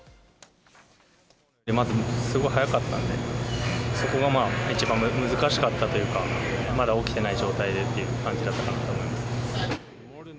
まず、すごい早かったんで、そこがまあ、一番難しかったというか、まだ起きてない状態でって感じだったかなと思います。